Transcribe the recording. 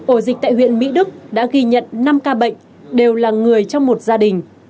ổ dịch tại huyện mỹ đức đã ghi nhận năm ca bệnh đều là người trong một gia đình